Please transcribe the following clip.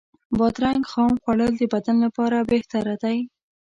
بادرنګ خام خوړل د بدن لپاره بهتر دی.